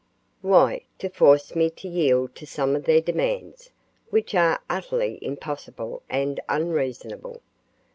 "Why, to force me to yield to some of their demands, which are utterly impossible and unreasonable.